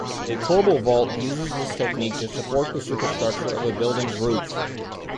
A corbel vault uses this technique to support the superstructure of a building's roof.